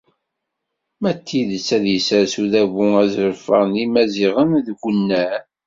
Ma d tidet ad yessers udabu azref-a n Yimaziɣen deg unnar!